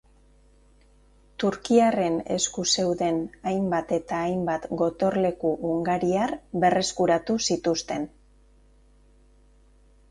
Turkiarren esku zeuden hainbat eta hainbat gotorleku hungariar berreskuratu zituzten.